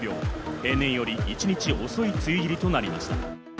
例年より１日遅い梅雨入りとなりました。